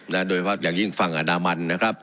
โดยเฉพาะอย่างยิ่งฝั่งอันดามันนะครับ